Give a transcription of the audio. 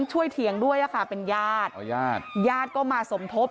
ช่วยเถียงด้วยอ่ะค่ะเป็นญาติเอาญาติญาติก็มาสมทบ